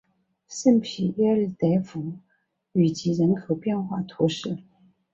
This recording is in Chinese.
圣皮耶尔德弗吕吉人口变化图示